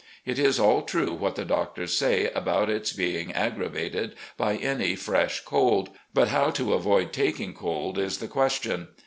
It is all true what the doctors say about its being ag gravated by any fresh cold, but how to avoid taking cold is the question.